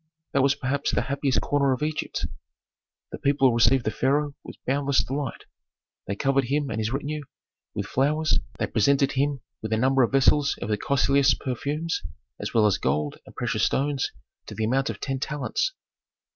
That was perhaps the happiest corner of Egypt. The people received the pharaoh with boundless delight. They covered him and his retinue with flowers, they presented him with a number of vessels of the costliest perfumes as well as gold and precious stones to the amount of ten talents.